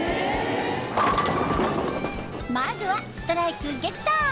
まずはストライクゲット！